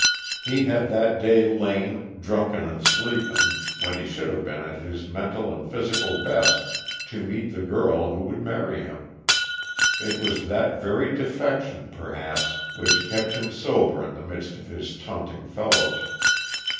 He had that day lain, drunken and sleeping, when he should have been at his mental and physical best to meet the girl who would marry him. It was that very defection, perhaps, which kept him sober in the midst of his taunting fellows.